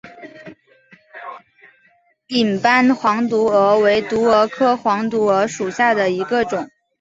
顶斑黄毒蛾为毒蛾科黄毒蛾属下的一个种。